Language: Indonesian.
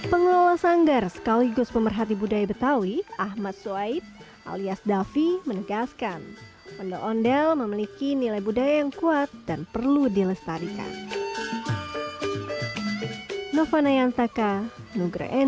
pengelola sanggar sekaligus pemerhati budaya betawi ahmad soeb alias davi menegaskan ondel ondel memiliki nilai budaya yang kuat dan perlu dilestarikan